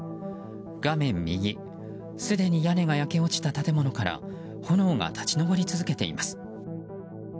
画面右すでに屋根が焼け落ちた建物から炎が立ち上り続けています。